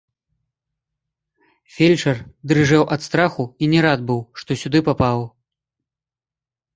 Фельчар дрыжэў ад страху і не рад быў, што сюды папаў.